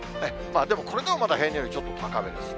でもこれでも平年よりちょっと高めです。